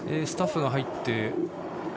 スタッフが入って。